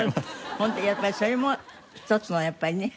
ホントやっぱそれも一つのやっぱりね